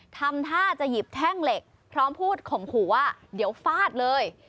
ทำท่าจะหยิบแท่งเหล็กพร้อมพูดข่มขู่ว่าเดี๋ยวฟาดเลย